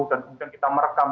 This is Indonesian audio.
dan mungkin kita merekam